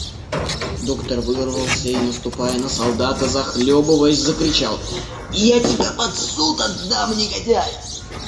Доктор вырвался и, наступая на солдата, захлебываясь, закричал: — Я тебя под суд отдам, негодяй!